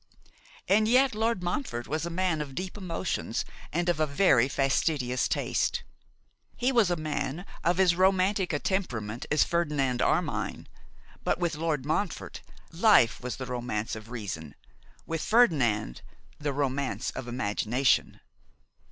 And yet Lord Montfort was a man of deep emotions, and of a very fastidious taste. He was a man of as romantic a temperament as Ferdinand Armine; but with Lord Montfort, life was the romance of reason; with Ferdinand, the romance of imagination.